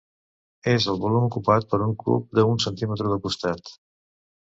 És el volum ocupat per un cub d'un centímetre de costat.